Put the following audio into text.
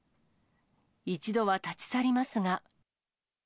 一度は立ち去りますが。